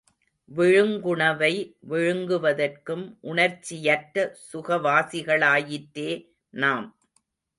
விழுங்குணவை விழுங்குவதற்கும் உணர்ச்சியற்ற சுகவாசிகளாயிற்றே நாம்.